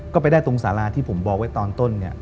ก็ไปได้ตรงสาราที่ผมบอกไว้ตอนต้นเนี่ย